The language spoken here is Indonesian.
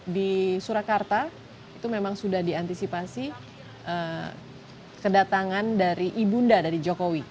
di surakarta itu memang sudah diantisipasi kedatangan dari ibunda dari jokowi